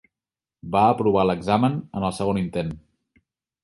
Va aprovar l'examen en el segon intent